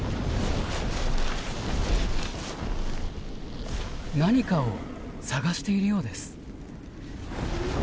何かを探しているようです。